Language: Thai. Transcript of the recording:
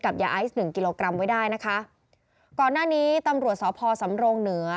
ยาไอซ์หนึ่งกิโลกรัมไว้ได้นะคะก่อนหน้านี้ตำรวจสพสำรงเหนือ